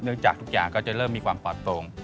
จากทุกอย่างก็จะเริ่มมีความปลอดตรง